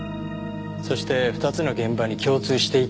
そして２つの現場に共通していたって事は。